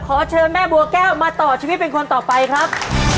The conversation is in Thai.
ขอเชิญแม่บัวแก้วมาต่อชีวิตเป็นคนต่อไปครับ